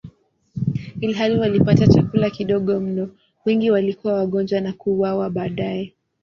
Ilhali walipata chakula kidogo mno, wengi walikuwa wagonjwa na kuuawa baadaye.